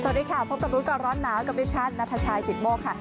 สวัสดีค่ะพบกับร้อนน้าแกประวัติภาพน้าทักชายกิตโม่ค่ะ